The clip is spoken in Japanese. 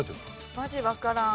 マジわからん。